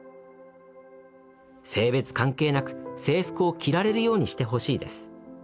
「性別関係なく制服を着られるようにしてほしいです。